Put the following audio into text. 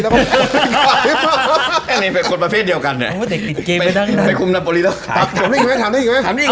อย่างโบสถ์ว่าเด็กติดเกมไปด้านใน